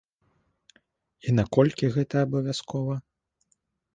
І наколькі гэта абавязкова?